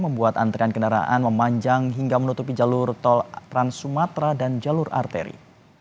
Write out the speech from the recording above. membuat antrian kendaraan memanjang hingga menutupi jalur tol trans sumatera dan jalur arteri